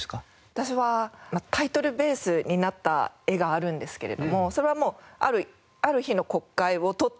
私はタイトルベースになった画があるんですけれどもそれはもうある日の国会を撮ってる映像なんですけれども。